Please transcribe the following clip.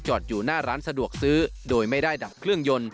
อยู่หน้าร้านสะดวกซื้อโดยไม่ได้ดับเครื่องยนต์